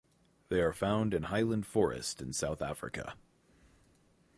They are found in highland forest in South America.